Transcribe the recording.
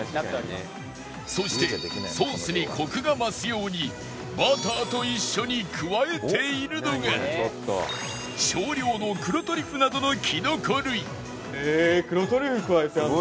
そしてソースにコクが増すようにバターと一緒に加えているのが少量の黒トリュフなどのきのこ類へえ黒トリュフ加えてあるんだ。